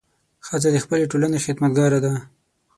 ښځه د خپلې ټولنې خدمتګاره ده.